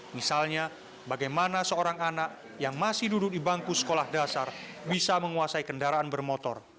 misalnya bagaimana seorang anak yang masih duduk di bangku sekolah dasar bisa menguasai kendaraan bermotor